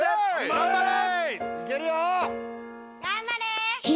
頑張れ！